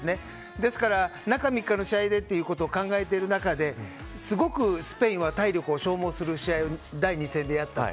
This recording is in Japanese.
ですから、中３日の試合でと考えている中ですごくスペインは体力を消耗する試合を第２戦でやったと。